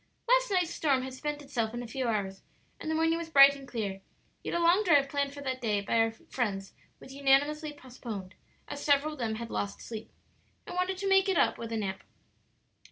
Last night's storm had spent itself in a few hours, and the morning was bright and clear; yet a long drive planned for that day by our friends was unanimously postponed, as several of them had lost sleep, and wanted to make it up with a nap.